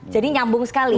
jadi nyambung sekali